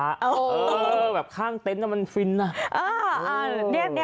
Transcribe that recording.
เออแบบข้างเต็นต์มันฟินนะ